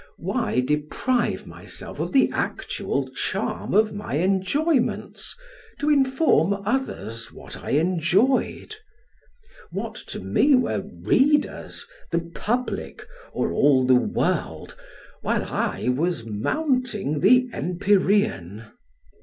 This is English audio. Why deprive myself of the actual charm of my enjoyments to inform others what I enjoyed? What to me were readers, the public, or all the world, while I was mounting the empyrean.